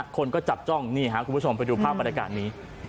คนก็จับจ้องขอสินค้าคุณผู้ชมมีภาพบรรยากาศนี้